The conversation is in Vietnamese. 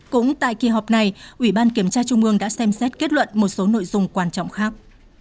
cũng tại kỳ họp này ủy ban kiểm tra trung ương đã xem xét kết luận một số nội dung quan trọng khác